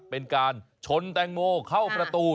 เป็นการชนแตงโมเข้าประตู